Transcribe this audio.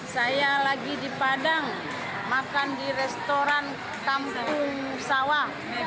saya lagi di padang makan di restoran kampung sawah